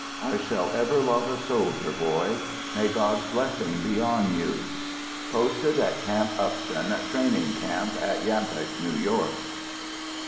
I shall ever love a soldier boy. May God's blessing be on you !— Posted at Camp Upton, training camp at Yap hank, New York.